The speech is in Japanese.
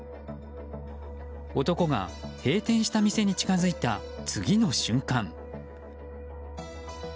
男が、閉店した店に近づいた次の瞬間。